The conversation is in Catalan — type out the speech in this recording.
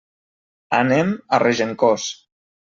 Anem a Regencós.